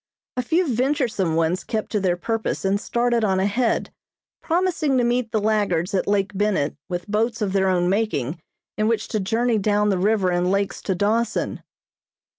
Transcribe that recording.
A few venturesome ones kept to their purpose and started on ahead, promising to meet the laggards at Lake Bennett with boats of their own making in which to journey down the river and lakes to Dawson.